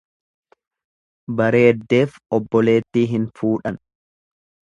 Bareeddeef obboleettii hin fuudhan.